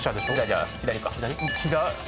じゃあ左か。